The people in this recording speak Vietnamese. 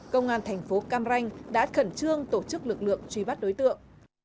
công an thành phố cam ranh đã khẩn trương tổ chức lực lượng truy bắt đối tượng